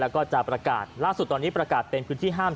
และส่วนสภาพอาคารต้องที่ดูอีกทีหนึ่ง